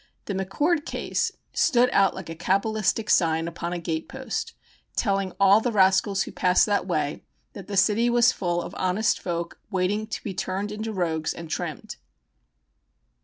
The McCord case stood out like a cabalistic sign upon a gate post telling all the rascals who passed that way that the city was full of honest folk waiting to be turned into rogues and "trimmed."